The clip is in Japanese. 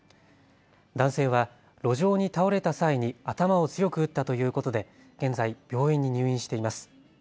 男性は路上に倒れた際に頭を強く打ったということで現在、病院に入院しています。